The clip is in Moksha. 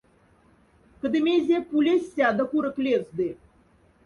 Кда мезе — пулясь сяда курок лезды.